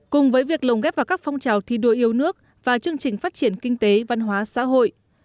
cùng với việc lồng ghép vào các phong trào thi đua yêu nước và chương trình phát triển kinh tế văn hóa xã hội